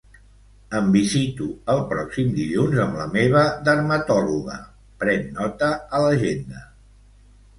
Em visito el pròxim dilluns amb la meva dermatòloga, pren nota a l'agenda.